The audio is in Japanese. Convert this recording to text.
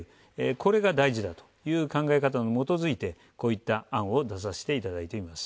これが大事だという考え方に基づいてこういった案を出させていただいています。